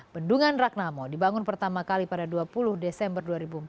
bendungan ragnamo dibangun pertama kali pada dua puluh desember dua ribu empat belas